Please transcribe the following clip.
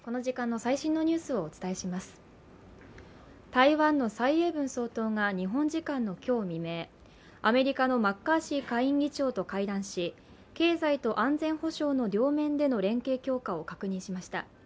台湾の蔡英文総統が日本時間の今日未明、アメリカのマッカーシー下院議長と会談し、経済と安全保障の両面での連携強化を確認しました。